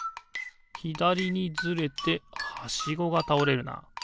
ひだりにずれてはしごがたおれるな。